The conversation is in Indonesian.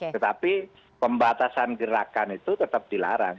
tetapi pembatasan gerakan itu tetap dilarang